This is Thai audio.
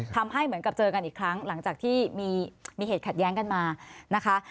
ทำให้เหมือนกับเจอกันอีกครั้งหลังจากที่มีเหตุขัดแย้งกันมานะคะ